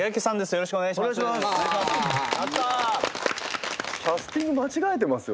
よろしくお願いします。